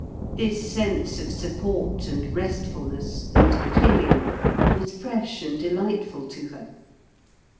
This sense of support and restfulness and clinging was fresh and delightful to her.